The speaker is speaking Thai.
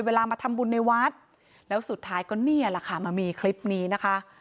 เวลามาทำบุญในวัดแล้วสุดท้ายก็นี่แหละค่ะมันมีคลิปนี้นะคะ